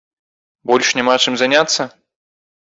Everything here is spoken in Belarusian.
Больш няма чым заняцца?